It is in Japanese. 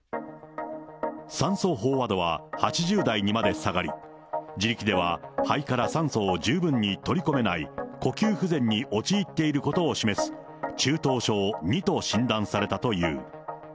酸素飽和度は８０台にまで下がり、自力では肺から酸素を十分に取り込めない呼吸不全に陥っていることを示す、中等症２と診断されたという。